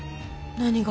何が？